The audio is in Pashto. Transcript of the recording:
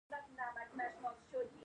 آیا کباب او قورمه سبزي مشهور نه دي؟